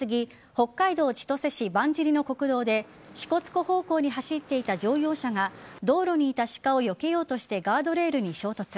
北海道千歳市盤尻の国道で支笏湖方向に走っていた乗用車が道路にいたシカをよけようとしてガードレールに衝突。